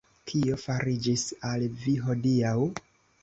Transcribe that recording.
Kio fariĝis al vi hodiaŭ?